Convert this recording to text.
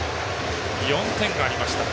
４点がありました。